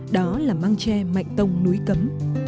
đó là măng tre mạnh tông núi cấm